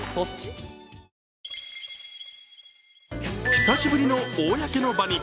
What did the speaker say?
久しぶりの公の場に。